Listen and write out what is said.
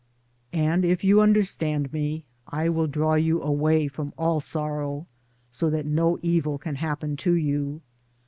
And if you understand me I will draw you away from all sorrow — so that no evil can happen to you.